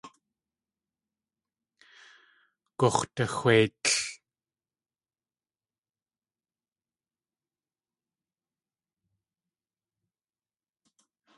Gux̲daxwéitl.